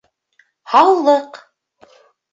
Һаулыҡ